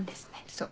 そう。